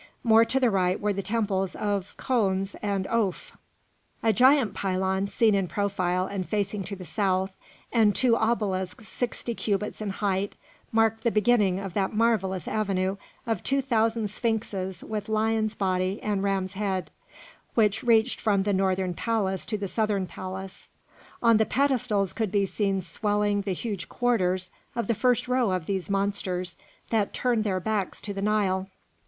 More to the right were the temples of Khons and Oph. A giant pylon, seen in profile and facing to the south, and two obelisks sixty cubits in height, marked the beginning of that marvellous avenue of two thousand sphinxes with lions' bodies and rams' heads, which reached from the Northern Palace to the Southern Palace. On the pedestals could be seen swelling the huge quarters of the first row of these monsters, that turned their backs to the Nile.